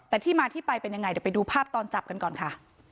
แต่ที่มาที่ไปเป็นยังไงเดี๋ยวไปดูภาพตอนจับกันก่อนค่ะ